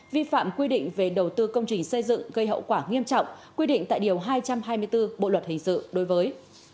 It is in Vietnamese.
vi phạm quy định về đầu tư công trình xây dựng gây hậu quả nghiêm trọng quy định tại điều hai trăm hai mươi bốn bộ luật hình sự đối với